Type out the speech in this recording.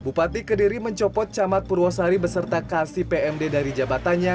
bupati kediri mencopot camat purwosari beserta kcpmd dari jabatannya